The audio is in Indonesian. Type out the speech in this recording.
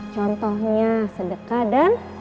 contohnya sedekah dan